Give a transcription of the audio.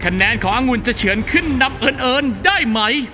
แนนขององุ่นจะเฉือนขึ้นนำเอิญได้ไหม